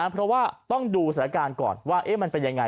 เพราะว่าต้องดูสถานการณ์ก่อนว่ามันเป็นยังไง